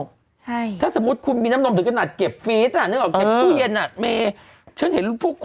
ใช่ถ้าสมมติคุณมีน้ำนมถึงขนาดเก็บฟีทน่ะนึกออกว่าเก็บทุกเย็นน่ะเม